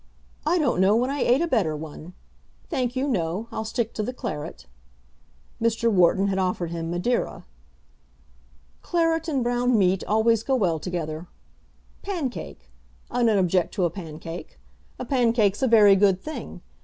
"I don't know when I ate a better one. Thank you, no; I'll stick to the claret." Mr. Wharton had offered him Madeira. "Claret and brown meat always go well together. Pancake! I don't object to a pancake. A pancake's a very good thing.